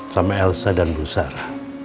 sama elsa dan bu sara